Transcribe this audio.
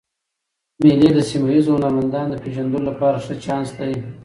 مېلې د سیمه ییزو هنرمندانو د پېژندلو له پاره ښه چانس دئ.